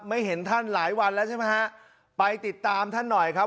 เห็นท่านหลายวันแล้วใช่ไหมฮะไปติดตามท่านหน่อยครับ